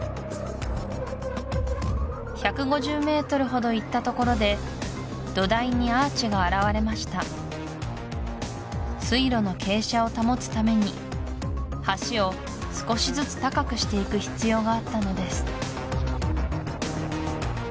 １５０ｍほど行ったところで土台にアーチが現れました水路の傾斜を保つために橋を少しずつ高くしていく必要があったのです